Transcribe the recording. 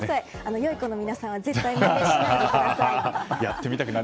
良い子の皆さんは絶対にまねしないでください。